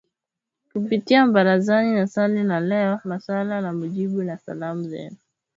kupitia Barazani na Swali la Leo ,Maswali na Majibu na Salamu Zenu